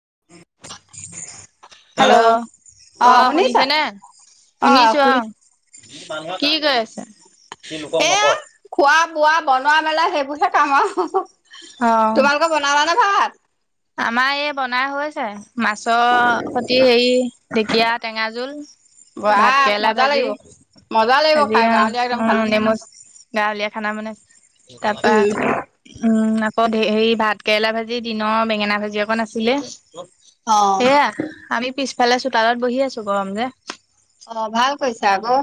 [unintelligible] Hello অ', শুনিছেনে? শুনিছো অ', কি কৰি আছা? এয়া [unintelligible] খোৱা বোৱা বনোৱা মেলা সেইবোৰ হে কাম আৰু অ তোমালোকে বনালানে ভাত আমাৰ এই বনাই হৈ হৈছে মাছৰ সতি হেৰি ঢেকীয়া টেঙা জোল ভাত বাহ কেৰেলা মজা ভাজি লাগিব মজা লাগিব আাজি খাই অ গাঁৱলীয়া অ একদম খানা নেমু গাঁৱলীয়া খানা মানে তাৰ পৰাা উম উম অ হেৰি ভাত কেৰেলা ভাজি দিনৰ বেঙেনা ভাজি অকণ আছিলে অ সেয়া আমি পিছফালে চোতালত বহি আছো গৰম যে অ ভাল কৈছা আকৌ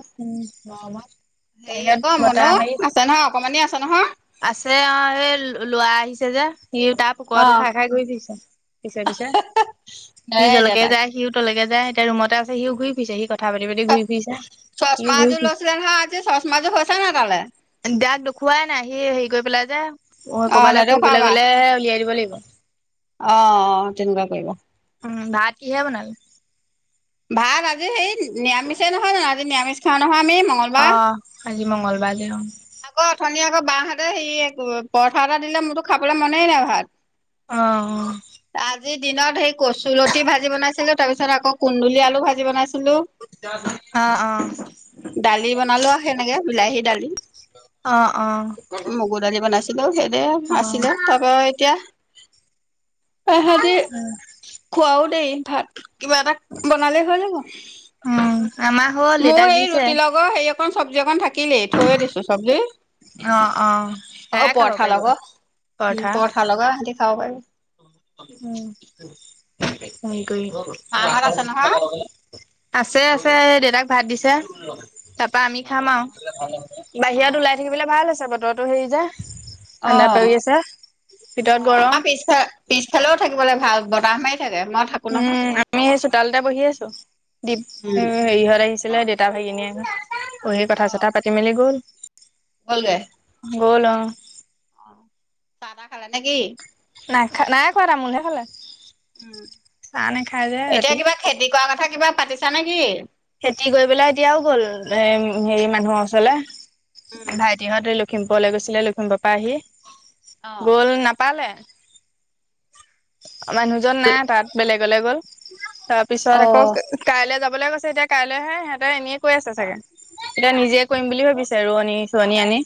হেৰি আকৌ বিৰতত মনো হেৰি আছে নহয় অকমানি আছে নহয় আছে অ স লৰা আহিছে যে সি তাৰ পুকুৰা অ টো খাই দোই কৰি থৈছে পিছে পিছে সি নেৰে এতিয়া জলেকে তাক যায় সিও তলেকে য এতিয়া ৰুমতে আছে সিও ঘূৰি ফিছে সি কথা পাতি পাতি ঘৰি ফিছে স চচমা এযোৰ ঘৰি লৈছিলে নহয় আজি চচমাযোৰ হৈছে নাই তালে দাক দেখুৱাই নাই সি হেৰি কৰি পেলাই যে অ কবালৈ ফুৰিবলৈ নেদেখুৱাবা গলে উলিয়াই দিব লাগিব অ অ তেনেকুৱা কৰিব উম ভাত কিহে বনালো ভাত আজি হেৰি নিৰামিষে নহয় জানো আজি নিৰামিষ খোৱা নহয় আমি অ মঙ্গলবাৰ আজি মংগলবাৰাৰে য অ আকৌ অথনি আকৌ বাঁাহহঁতে সি পৰঠা এটা দিলে মোৰতো খাবলৈ মনেই নাই ভাত আহ আজি দিনত সেই কচুলতি ভাজি বনাইছিলো তাৰ পিছত আকৌ কুন্দুলি আলু ভাজি বনাইছিলো ো অ', অ', দালি বনালো আহ সনেকে বিলাহী দালি অ', অ', মগুৰ দালি বনাইছিলো সেইদে আছিলে অ', তাৰ পৰাা এতিয়া আহহতে খোৱাও দেই ভাত কিবা এটা বনালে হৈ যাব উম, আমাৰ হ'ল মোৰ দেউতাক এই দিছে। ৰুটিৰ লগৰ হেৰি অক চব্জি অকন থাকিলেই থৈয়ে দিছো চব্জি অ অ', অ', অ সেয়াই খাব পৰঠা পাৰিব লগত উম পৰঠা লগা সিহঁতি খাব পাৰি উ মাহঁত আছে নহয়। আছে আছে দেউতাক ভাত দিছো প আমি খাম অ আৰু অ বাহিৰত ওলাই থাকিবলৈ ভাল আ হৈছে বতৰটো হেৰি যে ঠাণ্ডা অ প আছে অ ভিতৰত আমাৰ গৰম পিছফা পিছফালেও থাকিবলৈ ভাল বতাহ মাৰত উম আমি চোতাল এটা বহি আছো দপ উম হেৰিহত আহিছো ছিলে দেউতা ভাইকিনীয়ে পঢ়ি কথা চথা পাতি মেলি গ'ল গল গায় গোলম অ চাদা খালা নেকি নাইা নাই কৰাোৱা তামোলহ খালে চাহ নাখায় যে উম এতিয়া ৰাতি কিবা খেতি কৰাৰ কথা কিবা পাতিছা নেকি খেতি কৰি পেলাই এতিয়াও গ'ল এ হেৰি মানুহৰ ওচৰলে উম ভাইটিহঁতে লখিমপুৰলৈ গৈছিলে লখিমপুৰৰ পৰা আহি অ গ'ল নাপালে মানুহজন নাই তাত বেলেগলৈ গ'ল তাৰপিছত অ আকৌ কাইলৈ যাবলৈ কৈছে এতিয়া কাইলৈহে সিহঁতে এনেিয়ে কৈ আছে চাগে এতিয়া নিজে কৰিম বুলি ভাবিছে ৰোৱনী চোৱনিী আনি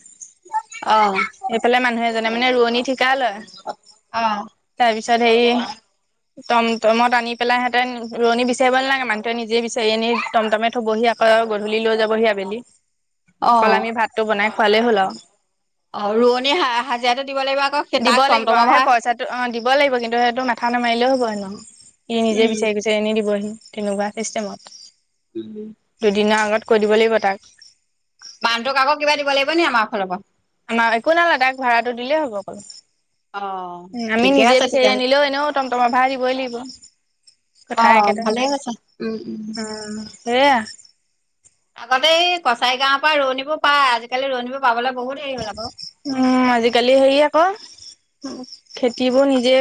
অ সেইফালে মানুহে জনে মানে ৰোৱনী ঠিকা লয় অ চৰি তটম তটমত আনি পেলাই সিহঁতেন ৰোৱণী বিচাৰিব নালাগে মানুহোৱে নিজে বিচাৰি এনি মটমে থবহি আকৌ গধূলি লৈ যাবহি আবেলি অ অকল আমি ভাতটো বনাই ভালে হ'ল অ ৰোৱনী হা হাজিৰাটো দিব লাগিব আকৌ সেই দিব তাক লাগিব অ টমটমৰ সেই ভাড়া পইচাটো অ দিব লাগিব কিন্তু সেইটো মাথা নোমাৰিলেও হ'বই ন ইি নিজে উম বিচাৰি গৈছে এনি দিবহি তেনেকুৱা চিষ্টেমত উম দুদিনৰ আগত কৈ দিব লাগিব তাক ন আমাৰ ফালৰ পৰা আমাক একো নালা তাক ভাড়াটো দিলেই হ'ব অকল অ উ আমি ঠিকে নিজে আছে বিচাৰি তেতিয়াহ'লে আনিলেও এনেও টমটমৰ ভাড়া দিবই লাগিব অ কথাই কেইটাই ভালেই হৈছে উম উম সেয়া আগতে এই কছাৰী গাঁৱৰ পৰা ৰোৱনীবোৰ পায় আজিকালি ৰোৱনীবোৰ পাবলৈ বহুত হেৰি হ'ল আকৌ উম আজিকালি হেৰি আকৌ খেতিবোৰ নিজে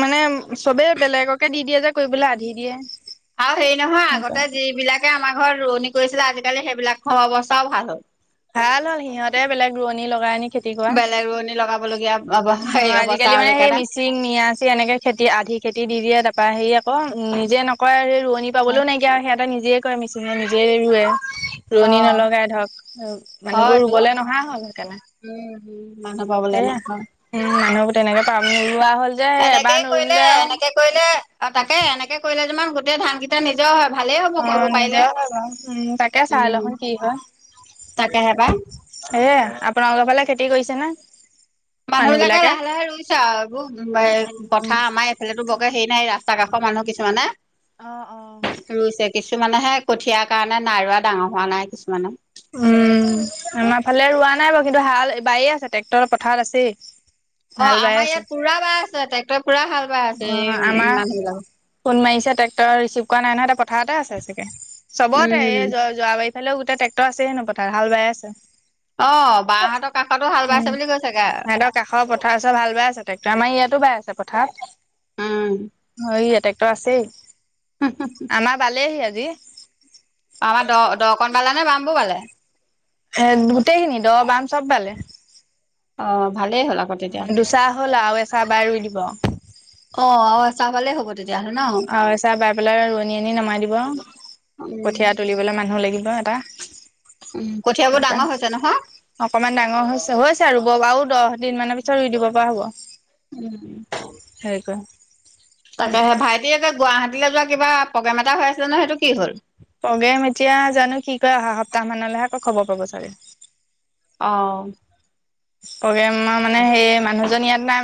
মানে চবে বেলেগকে দি দিয়ে যে কৰিবলৈ আধি দিয়ে আৰু হেৰি নহয় আগতে য বিলাকেই আমাৰ ঘৰত ৰোৱনী কৰিছিলে আজিকালি সেইবিলাক অৱস্থাও ভাল হ'ল ভাল হল সিহঁতে বেলেগ ৰোৱনী লগাই আনি খেতি কৰা বেলেগ ৰোৱনী লগাবলগীয়া অ হেৰি অৱস্থা আজিকালি হ'ল মানে সেই সেইকাৰণে মিচিং মিয়াচি এনেকে খেতি আধি খেতি দি দিয়ে তাপা সেই অক নিজে নকয় আৰু স ৰোৱৱনি পাবলৈও নাইকিয়া আৰু সেয়াটা নিজে কৰে মেচিনো নিজে ৰুৱে ৰোৱনী অ' নলগাই ধৰক মানুহবোৰ হয়তো ৰুবলৈ নহা হ'ল সেইকাৰণে উম, উম, মানুহ পাবলৈ সেয়া নাহ হয় উম মানুহবোৰ তেনেকে পাবোৱাৰ এনেকেই কৰিলে এনেকে কৰিলে তাকে এনেকে কৰিলে যিমান গোটেই ধান কেইটা নিজৰ হয় ভালেই হ'ব অ কৰিব পাৰিলে। নিজৰ উম তাকে চাই উম, লোন কি হয় তাকেহে পাই এয়ে আপোনালোকৰ ফালে খেতি কৰিছে না মানুহ বিলাকে লাহে লাহে ৰুইছে আৰু এইবোৰ পথা আমাৰ এইফালেতো বৰকে হেৰি নাই ৰাস্তা তাকাশৰ মানুহ কিছুমান হে অঁ অঁ। ৰুইছে কিছুমান কিছুমানে হে কঠিয়াৰ কাৰণে নাই ৰোৱা ডাঙৰ হোৱা নাই কিছুমানে উম আমাৰ ফালে ৰোৱা নাই বাৰু কিন্তু হাল বায়ে আছে ট্ৰেক্টৰ পথাৰত আছেই অ হাল বাই আমাৰ আছে ইয়াত পুৰা বা আছে ত অ আমাৰ বিলাকে ফোন মাৰিছে ট্ৰেক্ট ৰিচিভ কৰা নাই নহয় পথাৰতে আছে চাগে চবতে উম যোৱাৰ কাই লে গোটেই ট্ৰেক্টৰ আছে নো হাল বাই আছে অ বাহঁতৰ কাষতো হাল বাইছে উম বুলি কৈছে গা সিহঁতৰ কাষৰ পথাৰ ওচ হাল বাই আছে টেক্টৰ আমাৰ ইয়াত টো বাই আছে পথাৰত উম হে ট্ৰেক্টৰ আছেই আমাৰ বালেহি আজি আমাৰ দ দকনবালা নে বাম ব বালে স গোটেইখিনি দব বাম চব বালে অ ভাল হ'ল আকৌ তেতিয়া দুচাহ হ'ল আৰু এচাহ বাই ৰুই দিব। অ অ আওঁ এচা হলেই হব' তেতিয়াহ'লে ন অ চাহ বাই পেলাই ৰোৱনী আনি নমাই দিব উম কঠিয়া তুলিবলৈ মানুহ লাগিব হ এটা উম কঠিয়াবোৰ দুটা ডাঙৰ হৈছে নহয় অকমান ডাঙৰ হৈছে হৈছে ৰুব বাও দহ দিন মানৰ পিতছ ৰুই দিব পৰা হ'ব উম উম সেই ক তাকে সেই ভাইটি তে গুৱাহাটীলৈ যোৱা কিবা প্ৰগ্ৰেম এটা হৈ আছে ন সেইটো কি হ'ল প্ৰগ্ৰেম এতিয়া জানো কি কয় অহা সপ্তাহ মানলৈহে আকৌ খবৰ পাব চাগে অ প্ৰগ্ৰেমৰ মানে তাকে সেই মানুহজন ইয়াত নাই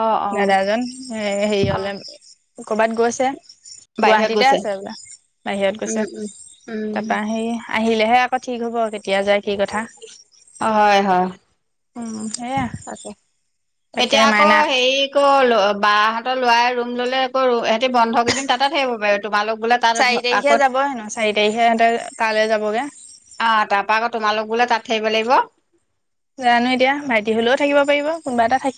অ অ দাদাজন এ হেৰি অ হলে কৰবাত গৈছে বাহিৰত গুৱাহাটীতে গৈছে আছে বোলে বাহিৰত উম গৈছে উম উম তাপৰা সেই আহিলেহে আকৌ ঠিক হ'ব কেতিয়া যায় কি কথা অ' হয়-হয়। উম সেয়া তাকে। তাকে এতিয়া আকৌ মাইনা হেৰি'ক বা হঁতৰ লৰাই ৰুম ল'লে আকৌ হেতি বন্ধ কেইদিন তাতে থাকিব পাৰি- চাৰি তাৰিখে যাব হেনো, চাৰি তাৰিখে সেহঁতে তালে যাবগে। আহ' তাৰপা আকৌ তোমালোক বোলে তাত থাকিব লাগিব? জানো এতিয়া ভাইটি হলেও থাকিব পাৰিব। কোনোবা এটা থাকি-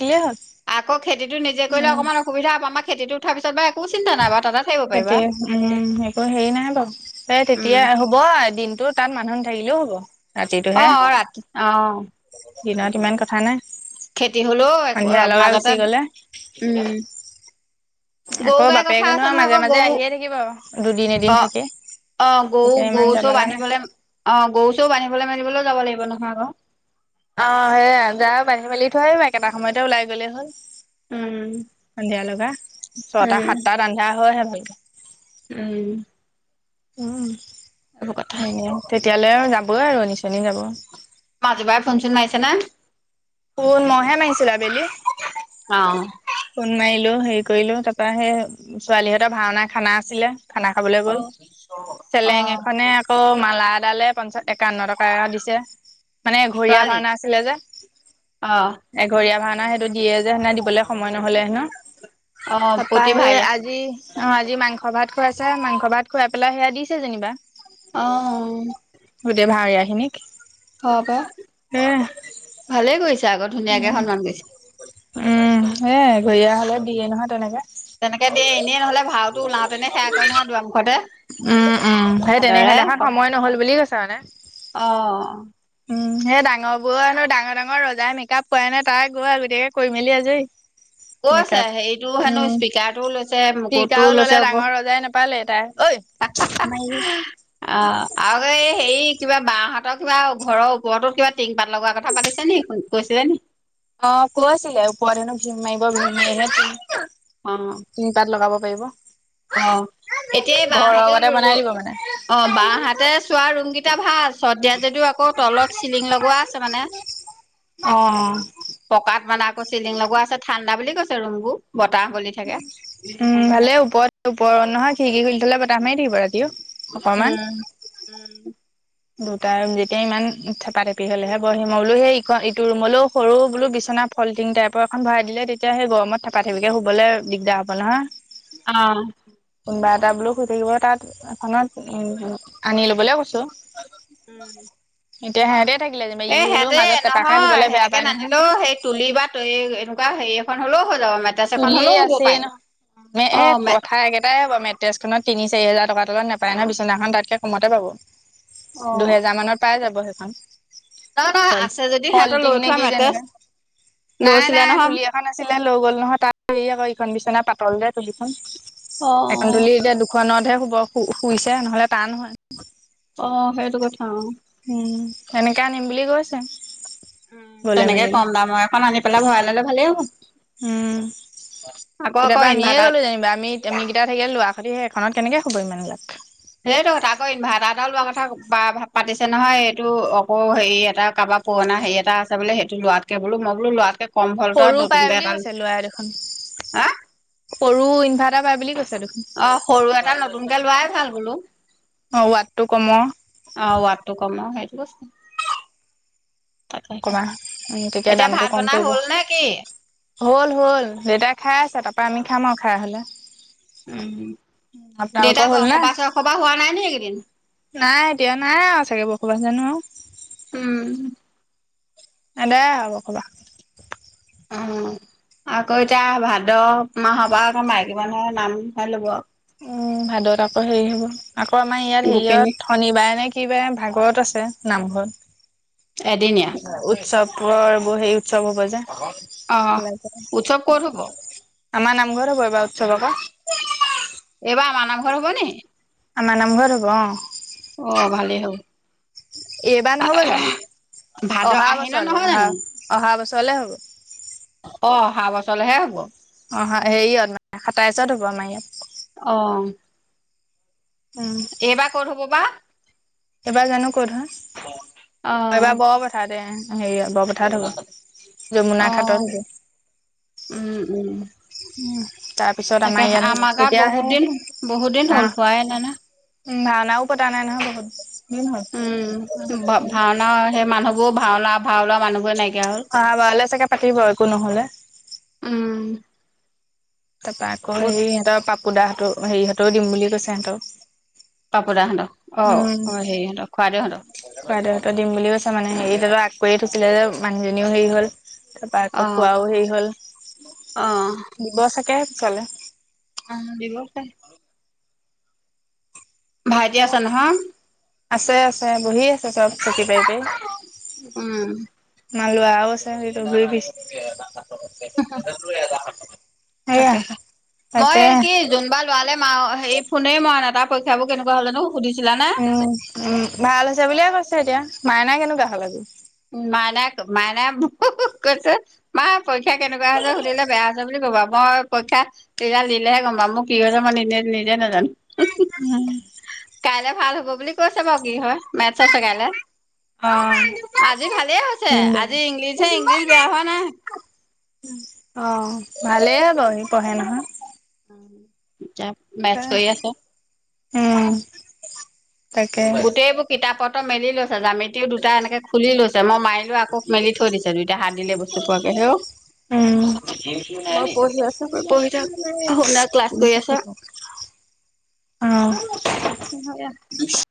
আকৌ খেতিটো নিজে কৰিলে অকনমান অসুবিধা হব আমাৰ খেতিটো উঠাৰ পিছত বা চিন্তা নাই বাৰু তাতে থাকিব পাৰিবা সেটোৱে উম একো হেৰি নাই বাৰু এই উম তেতিয়া হ'ব এদিন। ত' তাত মানুহ নাথাকিলেও হ'ব। অ ৰাতিটোহে অ, ৰাতি অ' দিনত ইমান কথা নাই। খেতি হলেও সন্ধিয়া লগাই মাজতে গুচি গলে উম গৰু আকৌ গাই কথা বাপেখনো আছে নহয় মাজে আকৌ মাজে গৰু আহিয়ে থাকিব আৰু দুদিন অ এদিন থাকি। অ' গৰু, তেতিয়া ইমান গৰু চৌও জামালা নাই। বান্ধিবলে, অ গৰু চৌও বান্ধিবলৈ মেলিবলে যাব লাগিব নহয় আ'ক। অ' সেয়াই যাই বান্ধি-মেলি থৈ একেটা সময়তে ওলাই গলে হ'ল। উম সন্ধিয়া লগা ছটা উম সাতটা বান্ধা হয়হে ভালকে উম উম এইবোৰ কথা হেনে, তেতিয়ালে আৰু যাবই আৰু নিচনী যাব। মাজু বাই ফোন-চোন মাৰিছে নে? ফোন, মইহে মাৰিছিলোঁ আবেলি। অ মাৰিলো, হেৰি কৰিলো তাৰপৰা সেই ছোৱালীহঁতৰ ভাওনা খানা আছিলে। খানা খাবলে গ'ল। অ চেলেং এখনে আকৌ মালা এডালে পঞ্চা, একাৱন্ন টকা এটা দিছে, মানে ঘৰিয়া ছোৱালীক ভাওঁনা আছিলে যে। অ' ঘৰিয়া ভাওনা সেইটো দিয়ে যে হেনা দিবলে সময় নহলে হেনো। অ তাৰপৰা সেই প্ৰতিভাই আজি অ' আজি মাংস ভাত খুৱাইছে, মাংস ভাত খুৱাই পেলাই সেয়া দিছে যেনিবা অঁহ গোটেই ভাৱৰীয়া খিনিক হয় পা, এ ভালেই কৰিছে আকৌ ধুনীয়াকে সন্মান কৰিছে উম, সেইয়াই ঘৰিয়া হলে দিয়ে নহয় তেনেকা তেনেকে দিয়ে এনেই নহলে ভাওতো ওলাওতেনে সেৱা কৰে নহয় [unintelligible] দুৱাৰমুখতে উম, উম! সেই তেনে, আদৰে সেইদিনাখন সময় নহল বুলে কৈছে মানে। অ' উম সেই ডাঙৰ বোৰনো ডাঙৰ-ডাঙৰ ৰজাই মেকআপ কৰাই নাই, তাই গৈ আৰু গোটেই কৰি মেলি আজৰি। কৈছে মেকআপ, হেৰিটো হেনো উম, স্পীকাৰটোও লৈছে মুকুটটোও টিকাও ললে লৈছে ওপ অ ডাঙৰ ৰজাই নাপালে তাই ঐ! মাই অ' আকৌ এই হেৰি কিবা বা হাতৰ কিবা ঘৰৰ ওপৰতো কিবা টিং পাত লগোৱা কথা পাতিছে নি কৈছিলে নি? অ' কয় আছিলে আৰু ওপৰত হেনো ভিম মাৰিব, ভিম মাৰিহে অ টিন পাত লগাব পাৰিব। অ' এতিয়াই ঘৰৰ বাহাতে আগতে ললো বনাই দিব মানে। অ' বা হাতে চোৱা ৰুম কেইটা ভাল চদ দিয়া যদিও আকৌ তলত চিলিং লগোৱা আছে মানে। অ'। পকাত মানে আকৌ চিলিং লগোৱা আছে। ঠাণ্ডা বুলি কৈছে ৰুমবোৰ। বতাহ বলি থাকে উম' ভালে ওপৰত, ওপৰত নহয় খৰিকি খুলি থলে বতাহ মাৰি থাকিব ৰাতিও। অকমান। উম, উম দুটা ৰুম যেতিয়া ইমান থেপা থেপি হলেহে বৰহি মই বোলো সেই ই ইটো ৰুমলৈও সৰু বোলো বিচ- না ফল্টিং টাইপৰ এখন ভৰাই দিলে তেতিয়া সেই গৰমত থেপা- থেপিকে শুবলে দিগদাৰ হ'ব নহয়। অ'হ কোনোবা এটা বোলো শুই থাকিব তাত এখনত, উ, আনি লবলৈ কৈছো। উম এতিয়া হে এ সিহঁতে নহয় বেয়া সেনেকে পায় নহয় নানিলেও, সেই তুলি বা এনেকুৱা হেৰি এখন হলেও যাব মেট্ৰেছ এখন তুলিয়েই হ'লেও হ'ব আছে পায় নহয়, অ এ মে কথা একেটাই হ'ব মেট্ৰেছ খনত তিনি চাৰি হাজাৰ টকা তলত নাপায় নহয়, বিচনাখন তাতকৈ কমতে পাব। অ দুহেজাৰ মানত পাই যাব সেইখন। নহয় নহয় আছে যদি ফল-ফল সিহঁতৰ লৈ টিং নে থোৱা কি, মেট্ৰেছ [unintelligible] নাই লৈছিলে নাই নহয় তুলি এখন আছিল লৈ গ'ল নহয় তাত হেৰি আকৌ ইখন বিছনা পাতল যে তুলিখন, অ এখন তুলি এতিয়া দুখনত হে শুব, সু-শুইছে নহলে টান হয়। অ', সেইটো কথা অ'। উম, এনেকে আনিম বুলি কৈছে। উম, গলে তেনেকে মেলিলে কম দামৰ এখন আনি পেলাই ভৰাই ললে ভালেই হ'ব। উম আকৌ আকৌ কেতিয়াবা আমিয়ে ইনভাৰ্টাৰ গ'লো যেনিবা, আমি আমি কেইটা থাকিলে ল'ৰা সতি সেইখনত কেনেকে শুবি ইমানগাল। সেইটো তাকো ইনভাৰ্টাৰ এটা লোৱা কথা পাতিছে নহয়, এইটো আকৌ হেৰি এটা কাৰবা পোৱনা হেই এটা আছে বোলে, সেইটো লোৱাতকে বোলো মই বোলো লোৱাতকে কম ভল্টৰ সৰু পাই নতুনকে বুলি এটা ল- কৈছে লৰাই দেখোন। হা সৰু ইনভাৰ্টাৰ পায় বুলি কৈছে। দেখোন অ', সৰু এটা নতুনকে লোৱাই ভাল বোলো। অ ৱাটটো কমৰ অহ, ৱাতটো কম ন' সেই তাকে ক'বা, উম, তেতিয়া এতিয়া দামটো ভাত কম বনাই পৰিব। হ'ল নে কি হল হল, দেউতাই খাই আছে তাৰ পৰা আমি খাম আৰু খাই হলে। উম, আপোনালোকৰ দেউতা হ'ল নে বৰ-সবাহ চৰ-সবাহ হোৱা নাই নি এইকেইদিন? নাই এতিয়া নাই আৰু চাগে [unintelligible] জানো আৰু। উম। দে হ'ব কবা। অ', আকৌ এতিয়া ভাদ মাহৰ পৰা আকৌ মাইকী মানুহে নাম চাই ল'ব আৰু। উম, ভাদত আকৌ হেৰি হ'ব, আকৌ আমাৰ ইয়াত গোপিনী হেৰিয়ত শনিবাৰে নে কিবাৰে ভাগৱত আছে নামঘৰত। এদিনীয়া উৎসৱপুৰৰ এইবোৰ হেই উৎসৱ হ'ব যে। অ উৎসৱ ক'ত হ'ব [unintelligible] আমাৰ নামঘৰত হব এইবাৰ উৎসৱ আকৌ। এইবাৰ আমাৰ নামঘৰত হ'বনি? আমাৰ নামঘৰত হ'ব, অ'। অ' ভালেই হ'ব এইবাৰ নহব জানো? ভাদ অহা আহিনত নহয় বছৰলৈ, জানো অহা-অহা বছৰ তলে হ'ব। অ', অহা বছৰলৈহে হ'ব। অ', হেৰিয়ত [unintelligible] সাতাইছত হ'ব আমাৰ ইয়াত। অহ, উম এইবাৰ ক'ত হব বা? এইবাৰ জানো কত হয়, অ', অ' এইবাৰ বৰ পথাৰতে। হেৰি বৰপথাৰত হ'ব, যমুনা অ' ঘাটত হ'ব। উম উম উ, তাৰপিছত তাকে আমাৰ ইয়াত, গাঁৱত বহুত তেতিয়াহে দিন বহুত দিন হ'ল আহ হোৱাই নাই নহয় উম, ভাওনাও পতা নাই নহয় বহুত, দিন হল। উম ভাওনা সেই মানুহবোৰো, ভাওনা ভাও লোৱা মানুহ বোৰে নাইকিয়া হ'ল অহাবাৰলে চাগে পাতিবই একো নহলে। উম তাৰপৰা আকৌ অত হেৰি সিহঁতৰ পাপুদা হতৰ, হেৰিহঁতেও দিম বুলি কৈছে হেতু। [unintelligible] অ', অ', হেৰি হতক খুৰাদেও হতক। খুৰাদেউহঁতৰ দিম বুলি কৈছে মানে, হেৰি আগ কৰিয়ে থৈছিলে যে মানুহজনীও হেৰি হ'ল। তাৰপা আকৌ অ' খোৱাও হেৰি হল, দিব চাগে পিচলে। অ', দিব। [unintelligible] ভাইটি আছে নহয়? আছে আছে, বহি আছে চব চকী পাৰি পাৰি। উম। আমা লোৱাও আছে সইটো ঘূৰি ফুৰিছে। সেয়া তাকেহে মই এই তাকে কি জুন বাই লৰালে ম হেৰি ফোনেই মৰা নাই তা পৰীক্ষাবোৰ কেনেকুৱা হ'ল জানো? সুধিছিলা নে? উম উম ভাল হৈছে বুলিয়ে কৈছে এতিয়া। মাইনা কেনেকুৱা হ'ল আজি? মাইনাই মাইনাই কৈছে মা পৰীক্ষা কেনেকুৱা হৈছে সুধিলে বেয়া হৈছে বুলি কবা মই পৰীক্ষা ৰিজাল্ট দিলেহে গম পাম মোৰ কি হৈছে মই নিজে নাজানো। উম। কাইলে ভাল হ'ব বুলি কৈছে বাও কি হয় মেথছ আছে কাইলে। অ। আজি ভালেই হৈছে আজি ইংলিছহে ইংলিছ বেয়া হোৱা নাই। অ ভালেই হ'ব সি পঢ়ে নহয়। এতিয়া মেথচ কৰি আছে। উম। তাকে গোটেইবোৰ কিতাপ পত্ৰ মেলি লৈছে ছে জ্যামিতিও দুটা এনেকে খুলি লৈছে, মই মাৰিলো আকৌ মেলি থৈ দিছে দুইটা হাত দিলে বস্তু পোৱাকে হেৰৌ। [inaudible] থাক শুনা ক্লাছ কৰি আছা [unintelligible] অ।